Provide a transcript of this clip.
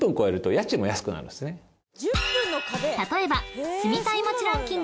［例えば］